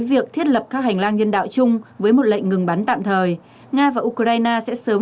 việc thiết lập các hành lang nhân đạo chung với một lệnh ngừng bắn tạm thời nga và ukraine sẽ sớm